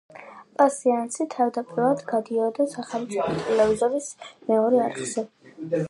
პა სეანსი თავდაპირველად გადიოდა სახელმწიფო ტელევიზიის მეორე არხზე.